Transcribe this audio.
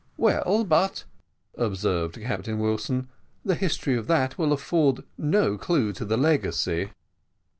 "Well, but," observed Captain Wilson, "the history of that will afford no clue to the legacy."